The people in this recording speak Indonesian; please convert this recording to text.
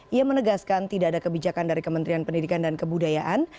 ia menegaskan tidak ada kebijakan dari kementerian pendidikan dan kebudayaan